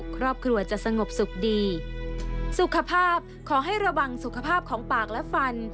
ครอบครัวจะสงบสุขดีสุขภาพขอให้ระวังสุขภาพของปากและฟัน